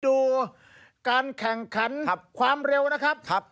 ดูการแข่งขันความเร็วนะครับ